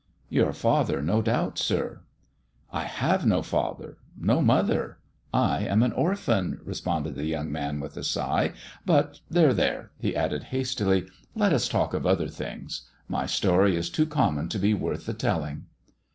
" Your father, no doubt, sir 1 "" I have no father, no mother ! I am an orphan," re sponded the young man, with a sigh ;" but there, there !" he added hastily, " let us talk of other things. My story is too common to be worth the telling."